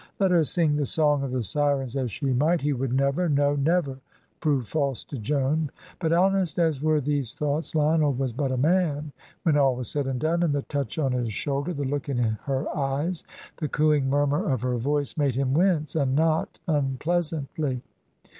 Let her sing the song of the sirens as she might, he would never no, never, prove false to Joan. But honest as were these thoughts, Lionel was but a man, when all was said and done, and the touch on his shoulder, the look in her eyes, the cooing murmur of her voice, made him wince, and not unpleasantly.